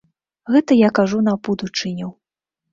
Гэта я кажу на будучыню.